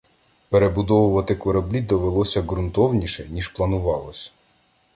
Перебудовувати кораблі довелося ґрунтовніше, ніж планувалось.